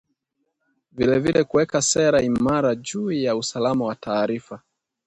vilevile kuweka sera imara juu ya usalama wa taarifa